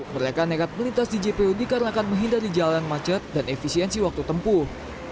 mereka nekat melintas di jpu dikarenakan menghindari jalanan macet dan efisiensi waktu tempuh